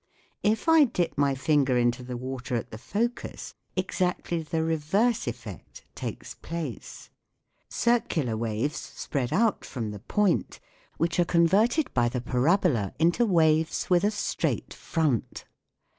If I dip my finger into the water at the focus, exactly the reverse effect takes place : circular waves spread out from the point, which are converted by the parabola into waves with a straight front.